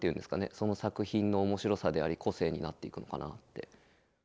その作品の面白さであり個性になっていくのかなって。